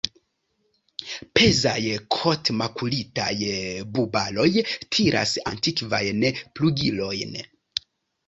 Pezaj kotmakulitaj bubaloj tiras antikvajn plugilojn.